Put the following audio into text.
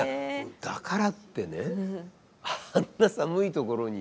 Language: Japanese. だからってねあんな寒いところにね。